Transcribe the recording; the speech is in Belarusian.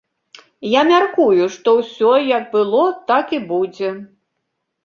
Я мяркую, што ўсё як было, так і будзе.